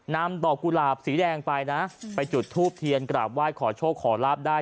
นำดอกกุหลาบสีแดงไปนะไปจุดทูบเทียนกราบไหว้ขอโชคขอลาบได้